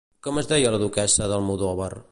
Com es deia la duquessa d'Almodóvar?